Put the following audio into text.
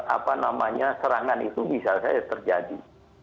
apa namanya serangan itu bisa saja terjadi